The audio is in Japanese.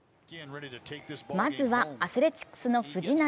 まずはアスレチックスの藤浪。